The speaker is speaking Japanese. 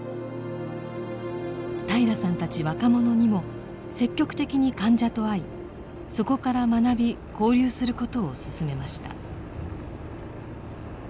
平良さんたち若者にも積極的に患者と会いそこから学び交流することを勧めました。